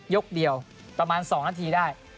ยกเดียวประมาณ๒นาทีได้